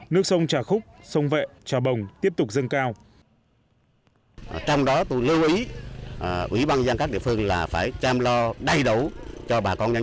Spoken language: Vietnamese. nước sông trà khúc sông vệ trà bồng tiếp tục dâng cao